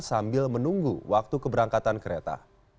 sambil menunggu waktu keberangkatan kereta